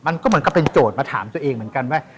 มันก็เหมือนกับเป็นโจทย์มาถามตัวเองเหมือนกันว่า